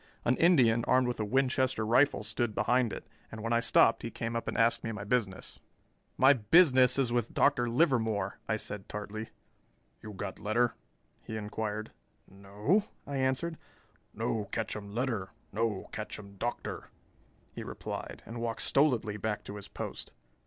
An Indian armed with a Winchester rifle stood behind it, and when I stopped he came up and asked my business. "My business is with Dr. Livermore," I said tartly. "You got letter?" he inquired. "No," I answered. "No ketchum letter, no ketchum Doctor," he replied, and walked stolidly back to his post.